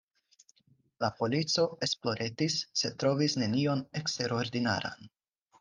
La polico esploretis, sed trovis nenion eksterordinaran.